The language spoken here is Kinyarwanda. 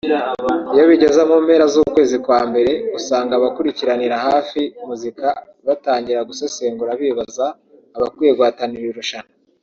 Iyo bigeze mu mpera z’ukwezi kwa mbere usanga abakurikiranira hafi muzika batangira gusesengura bibaza abakwiye guhatanira irushanwa